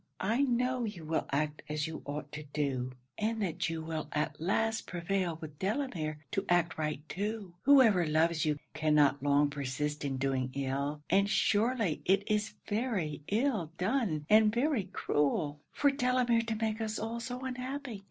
I know you will act as you ought to do; and that you will at last prevail with Delamere to act right too. Whoever loves you, cannot long persist in doing ill; and surely it is very ill done, and very cruel, for Delamere to make us all so unhappy.